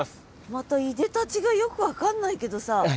またいでたちがよく分かんないけどさ。